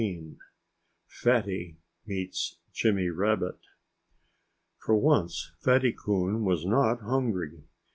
XIII FATTY MEETS JIMMY RABBIT For once Fatty Coon was not hungry.